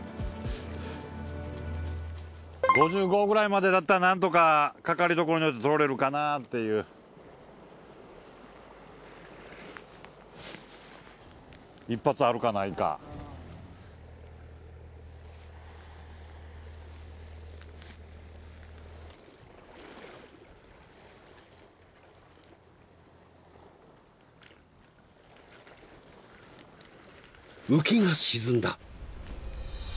５５ぐらいまでだったら何とか掛かりどころによってとれるかなっていう１発あるかないかウキが沈んだ！